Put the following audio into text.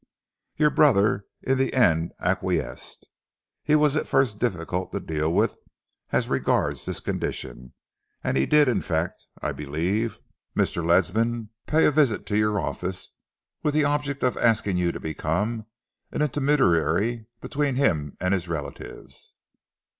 Your brother in the end acquiesced. He was at first difficult to deal with as regards this condition, and he did, in fact, I believe, Mr. Ledsam, pay a visit to your office, with the object of asking you to become an intermediary between him and his relatives."